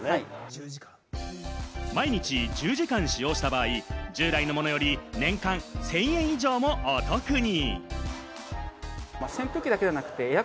毎日１０時間使用した場合、従来のものより年間１０００円以上もお得に。